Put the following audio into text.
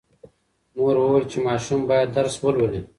مور وویل چې ماشوم باید درس ولولي.